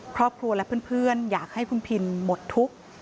ครอบครัวและเพื่อนอยากให้คุณพินหมดทุกข์